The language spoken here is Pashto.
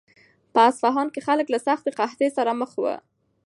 په اصفهان کې خلک له سختې قحطۍ سره مخ وو.